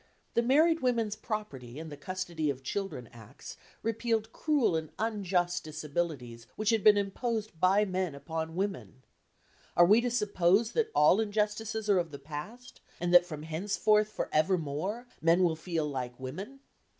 The Married Women's Property and the Custody of Children Acts repealed cruel and unjust disabilities which had been imposed by men upon women. Are we to suppose that all injustices are of the past, and that from henceforth for evermore men will feel like women?